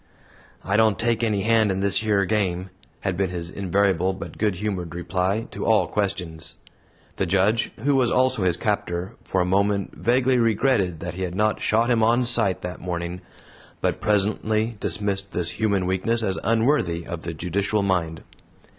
"I don't take any hand in this yer game," had been his invariable but good humored reply to all questions. The Judge who was also his captor for a moment vaguely regretted that he had not shot him "on sight" that morning, but presently dismissed this human weakness as unworthy of the judicial mind.